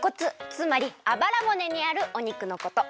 つまりあばらぼねにあるお肉のこと。